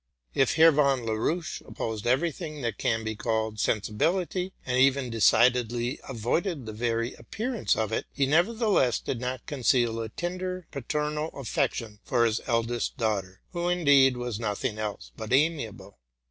If Herr von Laroche opposed every thing that can be called sensibility, and even decidedly avoided the very appearance of it, he nevertheless did not conceal a tender paternal affec tion for his eldest daughter, who, indeed, was nothing else but amiable.